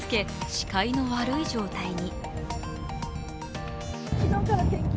視界の悪い状態に。